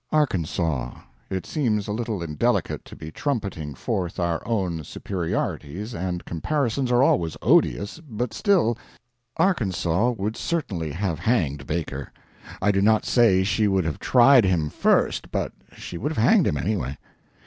Arkansaw it seems a little indelicate to be trumpeting forth our own superiorities, and comparisons are always odious, but still Arkansaw would certainly have hanged Baker. I do not say she would have tried him first, but she would have hanged him, anyway.